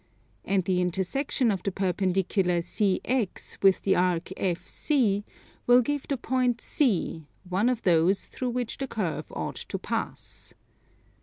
And the intersection of the perpendicular CX with the arc FC will give the point C, one of those through which the curve ought to pass.